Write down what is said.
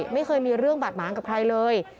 ไม่เคยมีเรื่องบาดหมางกับใครเลย